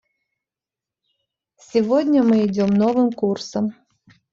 Сегодня мы идем новым курсом.